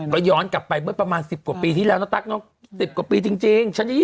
แล้วย้อนกลับไปประมาณ๑๐กว่าปีที่ทั้ง๑๐กว่าปีจริงชั้นจะ๒๐กว่ากว่า